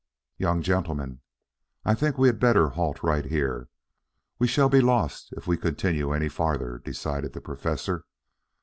"Young gentlemen, I think we had better halt right here. We shall be lost if we continue any farther," decided the Professor.